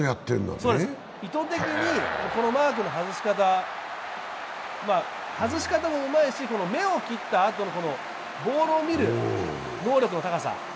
意図的に、このマークの外し方もうまいし目を切ったあとのボールを見る能力の高さ。